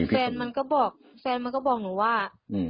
แฟนมันก็บอกแฟนมันก็บอกหนูว่า